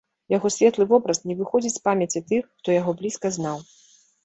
Яго светлы вобраз не выходзіць з памяці тых, хто яго блізка знаў.